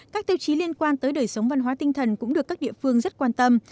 các tiêu chí liên quan tới đời sống văn hóa tinh thần cũng được các địa phương rất quan tâm